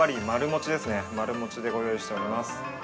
丸もちでご用意しております。